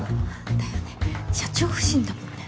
だよね社長夫人だもんね。